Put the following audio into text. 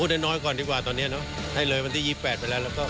มีความกังวลเรื่องไรมั้ยครับ